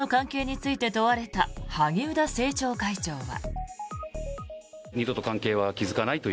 今後の関係について問われた萩生田政調会長は。